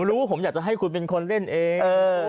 รู้ว่าผมอยากจะให้คุณเป็นคนเล่นเอง